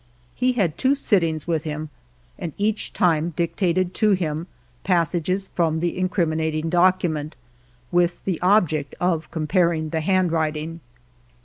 He had two sittings with him, and each time dictated to him passages from the incriminating document, with the object of comparing the handwriting.